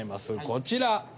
こちら。